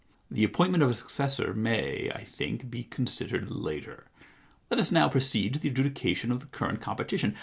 * The appointment of a successor may, I think, be considered later. Let us now proceed to the adjudication of the current competition.